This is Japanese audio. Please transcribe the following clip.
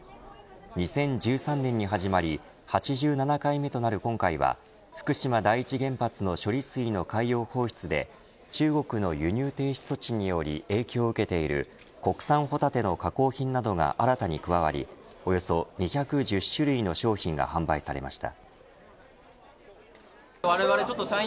２０１３年に始まり８７回目となる今回は福島第一原発の処理水の海洋放出で中国の輸入停止措置により影響を受けている、国産ホタテの加工品などが新たに加わりおよそ２１０種類の商品が販売されました。